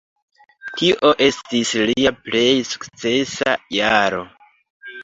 Tio estis lia plej sukcesa jaro.